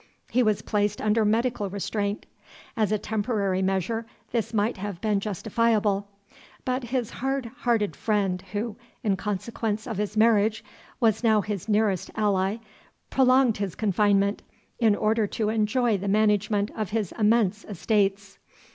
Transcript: He was placed under medical restraint. As a temporary measure this might have been justifiable; but his hard hearted friend, who, in consequence of his marriage, was now his nearest ally, prolonged his confinement, in order to enjoy the management of his immense estates.